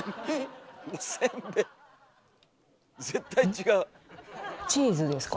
絶対違う。